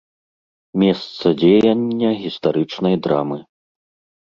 Месца дзеяння гістарычнай драмы.